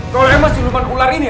kalau emang si luman ular ini